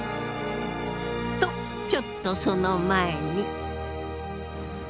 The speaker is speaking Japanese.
とちょっとその前に。